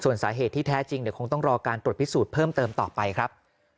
ส่วนสาเหตุที่แท้จริงเดี๋ยวคงต้องรอการตรวจพิสูจน์เพิ่มเติมต่อไปครับ